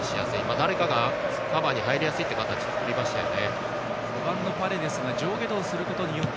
誰かがカバーに入りやすい形を作りましたよね。